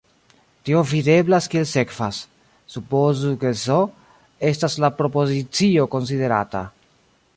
Tio videblas kiel sekvas: supozu ke "S" estas la propozicio konsiderata.